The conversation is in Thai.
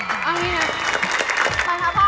เอานี่นะ